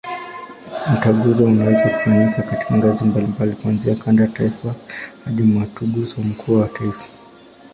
Mtaguso unaweza kufanyika katika ngazi mbalimbali, kuanzia kanda, taifa hadi Mtaguso mkuu wa kimataifa.